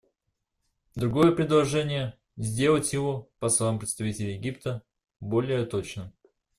Другое предложение — сделать его, по словам представителя Египта, более точным.